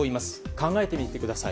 考えてみてください。